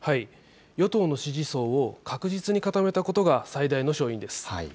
与党の支持層を確実に固めたことが最大の勝因です。